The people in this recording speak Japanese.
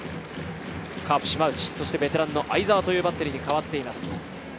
カープ・島内、そして、ベテランの會澤というバッテリーに代わっています。